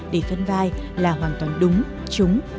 để phân vai là hoàn toàn đúng trúng